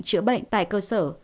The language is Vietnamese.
chữa bệnh tại cơ sở